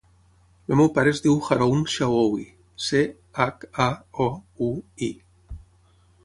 El meu pare es diu Haroun Chaoui: ce, hac, a, o, u, i.